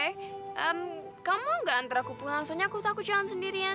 ehm kamu nggak ntar aku pulang soalnya aku takut jalan sendirian